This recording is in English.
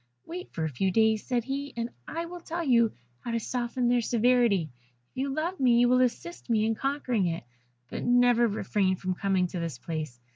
'Wait for a few days,' said he, 'and I will tell you how to soften their severity. If you love me you will assist me in conquering it; but never refrain from coming to this place.